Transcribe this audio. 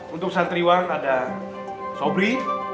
untuk santriwan ada sobri